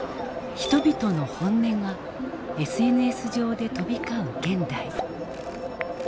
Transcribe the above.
人々の本音がＳＮＳ上で飛び交う現代。